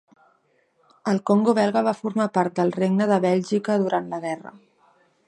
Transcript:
El Congo Belga va formar part del Regne de Bèlgica durant la guerra.